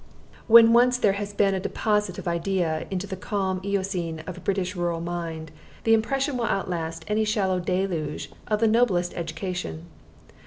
When once there has been a deposit of idea in the calm deep eocene of British rural mind, the impression will outlast any shallow deluge of the noblest education.